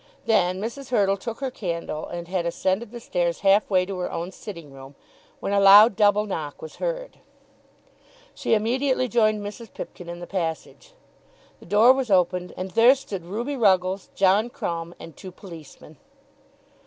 Then Mrs. Hurtle took her candle and had ascended the stairs half way to her own sitting room, when a loud double knock was heard. She immediately joined Mrs. Pipkin in the passage. The door was opened, and there stood Ruby Ruggles, John Crumb, and two policemen!